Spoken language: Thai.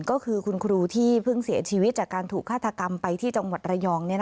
ก็คือคุณครูที่เพิ่งเสียชีวิตจากการถูกฆาตกรรมไปที่จังหวัดระยอง